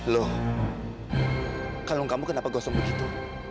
loh kalung kamu kenapa gosong begitu